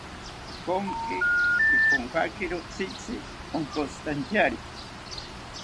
Konki Iponkakiro tzitzi onkotzitantyari